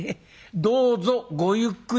どうぞごゆっくり」。